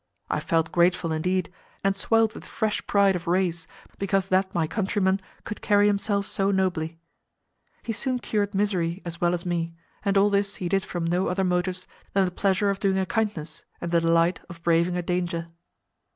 I felt grateful indeed, and swelled with fresh pride of race because that my countryman could carry himself so nobly. He soon cured Mysseri as well as me, and all this he did from no other motives than the pleasure of doing a kindness and the delight of braving a danger.